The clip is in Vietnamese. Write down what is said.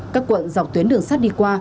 các quận dọc tuyến đường sắt đi qua